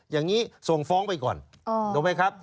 อย่างนี้ส่งฟ้องไปก่อนถูกไหมครับ